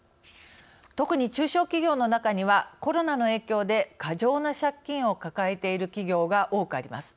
特に中小企業の中にはコロナの影響で過剰な借金を抱えている企業が多くあります。